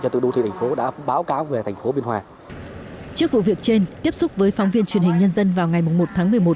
trước vụ việc trên tiếp xúc với phóng viên truyền hình nhân dân vào ngày một tháng một mươi một